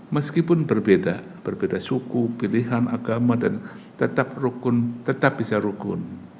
meskipun berbeda berbeda suku pilihan agama dan tetap bisa rukun